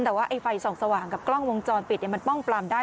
แต่ว่าไอ้ไฟส่องสว่างกับกล้องวงจรปิดมันป้องปลามได้